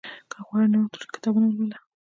که غواړې نوښت وکړې، کتابونه ولوله.